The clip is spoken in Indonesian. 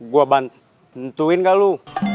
gua bantuin ga lu